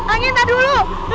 angin aduh lu